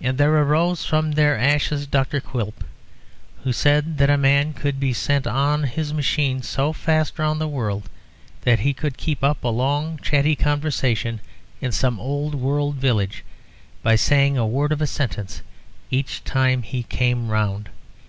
And there arose from their ashes Dr. Quilp, who said that a man could be sent on his machine so fast round the world that he could keep up a long, chatty conversation in some old world village by saying a word of a sentence each time he came round.